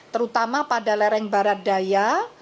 terutama pada lereng barat daya